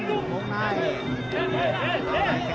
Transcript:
ลงไหน